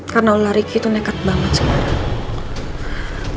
karena lo lari gitu neket banget sekarang